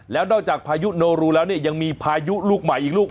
แล้วนอกจากพายุโนรูแล้วเนี่ยยังมีพายุลูกใหม่อีกลูก